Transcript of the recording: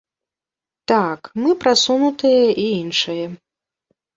Так, мы прасунутыя і іншае.